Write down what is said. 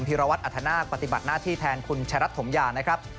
ีรวัตรอัธนาคปฏิบัติหน้าที่แทนคุณชายรัฐถมยานะครับ